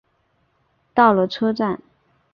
到了车站